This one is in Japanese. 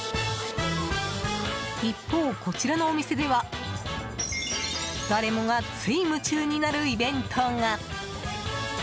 一方、こちらのお店では誰もがつい夢中になるイベントが。